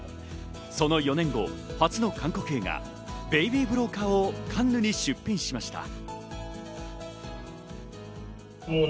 その４年後、初の韓国映画『ベイビー・ブローカー』をカンヌに出品しました。